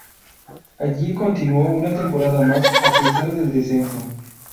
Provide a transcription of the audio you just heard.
Allí continuó una temporada más a pesar del descenso.